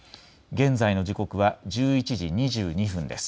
現在の時刻が１１時２２分です。